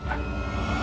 amin ya rabbal alamin